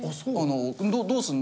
「どうするの？